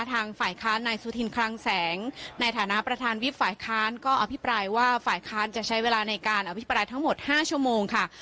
ทางฝ่ายค้านนายสุธินคลังแสงในฐานะประธานวิบฝ่ายค้านก็อภิปรายว่าฝ่ายค้านจะใช้เวลาในการอภิปรายทั้งหมด๕ชั่วโมงค่ะ